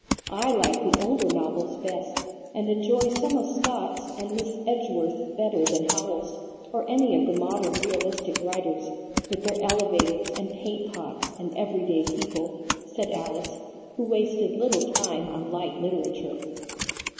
I like the older novels best, and enjoy some of Scott's and Miss Edgeworth's better than Howells's, or any of the modern realistic writers, with their elevators, and paint pots, and every day people," said Alice, who wasted little time on light literature.